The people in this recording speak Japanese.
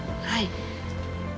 はい。